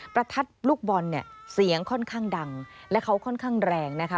ประทัดลูกบอลเนี่ยเสียงค่อนข้างดังและเขาค่อนข้างแรงนะคะ